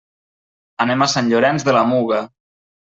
Anem a Sant Llorenç de la Muga.